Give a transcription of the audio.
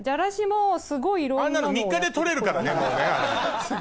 あんなの３日で取れるからね。